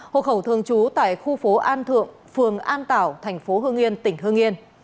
hộ khẩu thường trú tại khu phố an thượng phường an tảo thành phố hương yên tỉnh hương yên